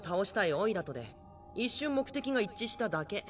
おいらとで一瞬目的が一致しただけ。